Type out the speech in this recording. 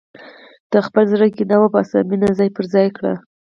د خپل زړه کینه وباسه، مینه ځای پر ځای کړه.